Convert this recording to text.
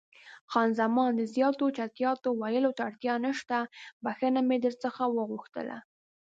خان زمان: د زیاتو چټیاتو ویلو ته اړتیا نشته، بښنه مې در څخه وغوښتله.